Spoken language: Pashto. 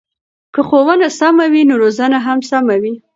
که ښوونه سمه وي نو روزنه هم سمه وي.